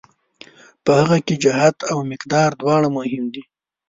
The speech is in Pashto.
په هغه کې جهت او مقدار دواړه مهم دي.